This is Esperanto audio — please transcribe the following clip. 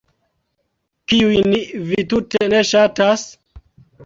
Kiujn vi tute ne ŝatas?